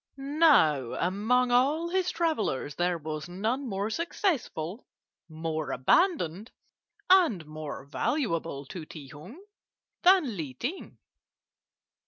"Now, among all his travellers there was none more successful, more abandoned, and more valuable to Ti Hung than Li Ting.